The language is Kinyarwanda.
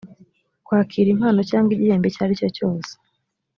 kwakira impano cyangwa igihembo icyo ari cyose